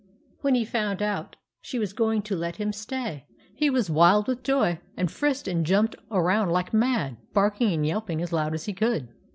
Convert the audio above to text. When he found that she was going to let him stay, he was wild with joy, and frisked and jumped around like mad, barking and yelping as loud as he could.